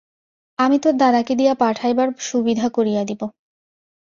আমি তাের দাদাকে দিয়া পাঠাইবার সুবিধা করিয়া দিব।